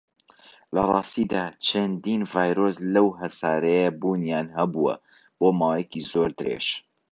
لەڕاستیدا، چەندین ڤایرۆس لەو هەسارەیە بوونیان هەبووە بۆ ماوەیەکی زۆر درێژ.